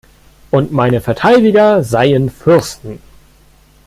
Und meine Verteidiger seien Fürsten!